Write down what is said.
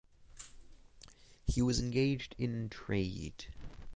He was engaged in trade.